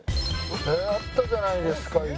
あったじゃないですか一夜城。